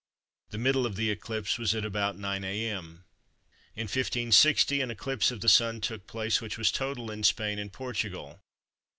The middle of the eclipse was at about 9 a.m. In 1560 an eclipse of the Sun took place which was total in Spain and Portugal.